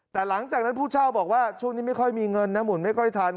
แต่หลังจากนั้นผู้เช่าบอกว่าช่วงนี้ไม่ค่อยมีเงินนะหมุนไม่ค่อยทัน